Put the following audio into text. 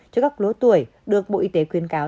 cho các lứa tuổi được bộ y tế khuyên cáo